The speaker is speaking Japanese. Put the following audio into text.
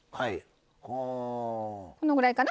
このぐらいかな。